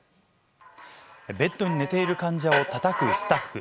ベッドに寝ている患者をたたくスタッフ。